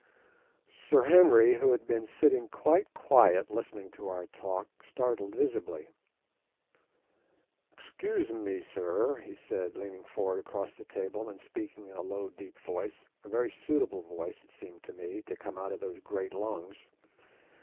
Sir Henry, who had been sitting quite quiet listening to our talk, started visibly. "Excuse me, sir," he said, leaning forward across the table, and speaking in a low deep voice, a very suitable voice, it seemed to me, to come out of those great lungs.